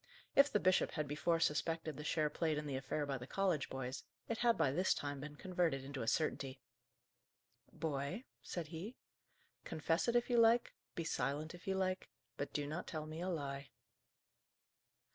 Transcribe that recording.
If the bishop had before suspected the share played in the affair by the college boys, it had by this time been converted into a certainty. "Boy," said he, "confess it if you like, be silent if you like; but do not tell me a lie."